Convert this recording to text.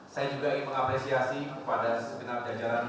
saya juga ingin mengapresiasi kepada segenap jajaran